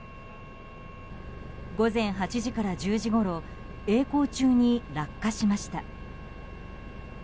午前８時から１０時ごろえい航中に落下しました。